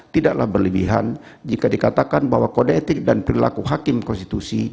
tidaklah berlebihan jika dikatakan bahwa kode etik dan perilaku hakim konstitusi